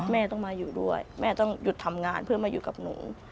แม่ต้องมาอยู่ด้วยแม่ต้องหยุดทำงานเพื่อมาอยู่กับหนู